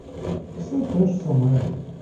Все те ж саме.